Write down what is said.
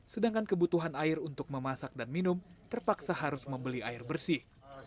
sedangkan kebutuhan air untuk memasak dan minum terpaksa harus membeli air bersih